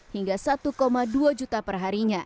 hingga satu dua juta perharinya